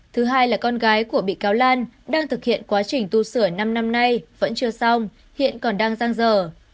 thứ hai là con gái của bị cáo lan đang thực hiện quá trình tu sửa năm năm nay vẫn chưa xong hiện còn đang giang dở